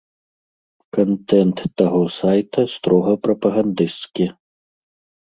Кантэнт таго сайта строга прапагандысцкі.